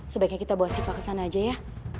sebaiknya kita bawa siva kesana aja ya